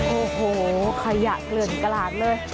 โอ้โหขยะเกลื่อนกลาดเลย